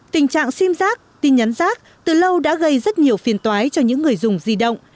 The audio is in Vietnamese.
tình trạng sim giác tin nhắn rác từ lâu đã gây rất nhiều phiền toái cho những người dùng di động